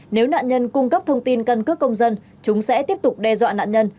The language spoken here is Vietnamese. nếu nạn nhân cung cấp thông tin căn cước công dân chúng sẽ tiếp tục đe dọa nạn nhân